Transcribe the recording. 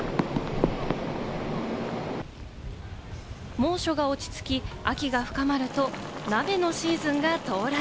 猛暑が落ち着き、秋が深まると鍋のシーズンが到来。